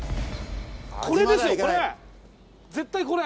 これですよこれ。